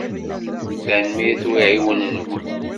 Tanemmirt i uɛiwen-nwen.